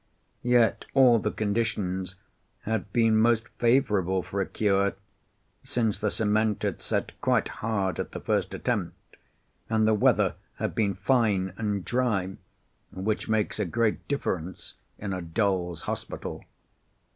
Yet all the conditions had been most favourable for a cure, since the cement had set quite hard at the first attempt and the weather had been fine and dry, which makes a great difference in a dolls' hospital.